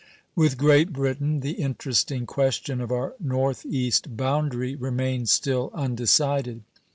With Great Britain the interesting question of our North East boundary remains still undecided.